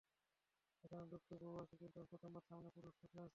এখানে লোক তো বহু আসে, কিন্তু আজ প্রথমবার সামনে পুরুষ বসে আছে।